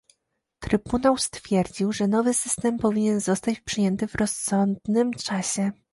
Trybunał stwierdził, że nowy system powinien zostać przyjęty w rozsądnym czasie